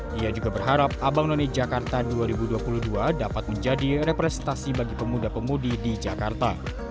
dia juga berharap abang none jakarta dua ribu dua puluh dua dapat menjadi representasi bagi pemuda pemudi di jakarta